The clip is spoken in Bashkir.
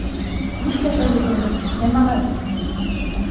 Нишләтәбеҙ быны, йәмәғәт?